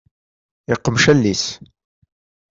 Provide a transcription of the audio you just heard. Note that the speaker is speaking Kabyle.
Yeqmec allen-is.